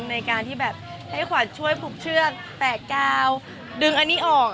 ในการที่แบบให้ขวัญช่วยผูกเชือกแตกกาวดึงอันนี้ออก